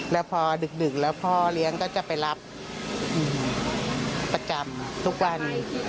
แล้วพอดึกแล้วพ่อเลี้ยงก็จะไปรับประจำทุกวัน